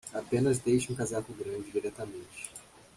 Apenas deixe um casaco grande diretamente